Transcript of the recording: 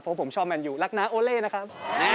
เพราะผมชอบแมนยูรักน้าโอเล่นะครับ